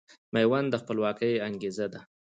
ميوند د خپلواکۍ انګېزه ده